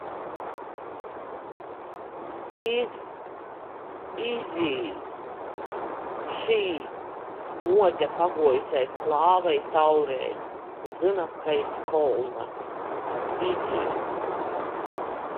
Iz, Izī! Šī! muote paguojuse aiz klāva i taurej. Zyna, ka iz kolna. Izī!